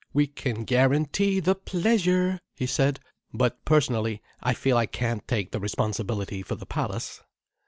"We can guarantee the pleasure," he said. "But personally, I feel I can't take the responsibility for the palace."